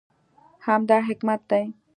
همدا حکمت دی.